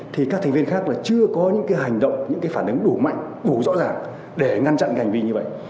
thì các thành viên khác là chưa có những cái hành động những cái phản ứng đủ mạnh đủ rõ ràng để ngăn chặn cái hành vi như vậy